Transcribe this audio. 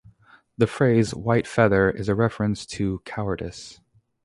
The phrase "white feather" is a reference to cowardice.